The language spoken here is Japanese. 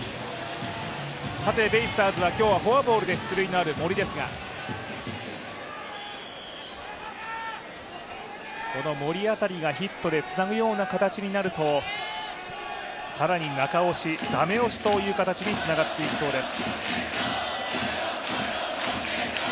ベイスターズは今日はフォアボールで出塁のある森ですが、この森辺りがヒットでつなぐような形になると、更に中押し、ダメ押しという形になっていきそうです。